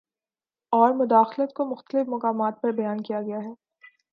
اور مداخلت کو مختلف مقامات پر بیان کیا گیا ہے